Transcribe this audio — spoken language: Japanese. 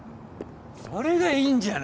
それがいいんじゃない。